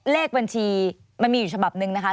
เลขบัญชีมันมีอยู่ฉบับหนึ่งนะคะ